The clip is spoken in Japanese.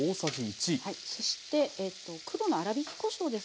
そして黒の粗びきこしょうですね。